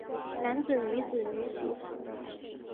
男子女子女子